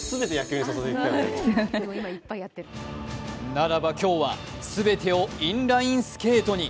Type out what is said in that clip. ならば今日は、全てをインラインスケートに。